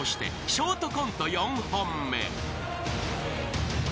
ショートコント４本目］